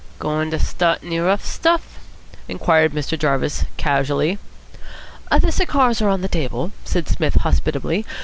"Goin' to start any rough stuff?" inquired Mr. Jarvis casually. "The cigars are on the table," said Psmith hospitably.